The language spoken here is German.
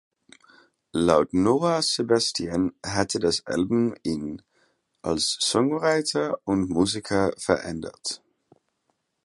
Laut Noah Sebastian hätte das Album ihn „als Songwriter und Musiker verändert“.